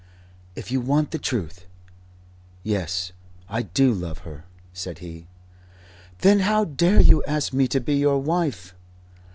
"If you want the Truth yes, I do love her," said he. "Then how dare you ask me to be your wife?"